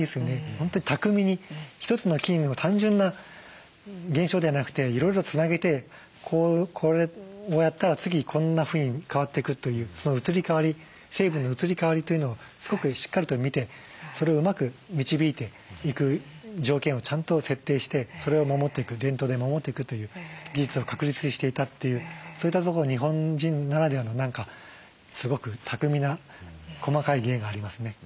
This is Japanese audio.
本当に巧みに一つの菌を単純な現象ではなくていろいろつなげてこれをやったら次こんなふうに変わっていくというその移り変わり成分の移り変わりというのをすごくしっかりと見てそれをうまく導いていく条件をちゃんと設定してそれを守っていく伝統で守っていくという技術を確立していたっていうそういったところに日本人ならではの何かすごく巧みな細かい芸がありますね。